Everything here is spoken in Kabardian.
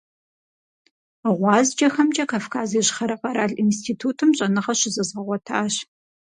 ГъуазджэхэмкӀэ Кавказ Ищхъэрэ къэрал институтым щӀэныгъэ щызэзгъэгъуэтащ.